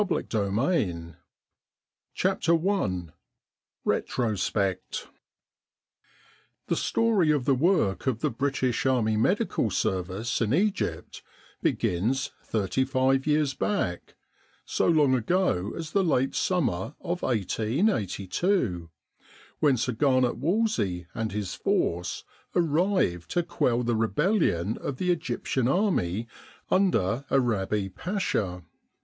M.G. in Egypt CHAPTER I RETROSPECT THE story of the work of the British Army Medical Service in Egypt begins thirty five years back so long ago as the late summer of 1882 when Sir Garnet Wolseley and his force arrived to quell the rebellion of the Egyptian Army under Arabi Pasha.